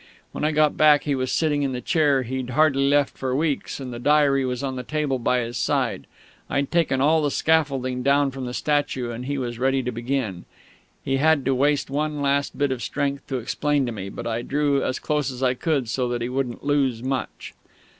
When I got back he was sitting in the chair he'd hardly left for weeks, and the diary was on the table by his side. I'd taken all the scaffolding down from the statue, and he was ready to begin. He had to waste one last bit of strength to explain to me, but I drew as close as I could, so that he wouldn't lose much.